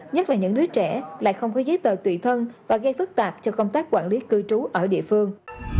nhất là những đứa trẻ lại không có giấy tờ tùy thân và gây phức tạp cho công tác quản lý cư trú ở địa phương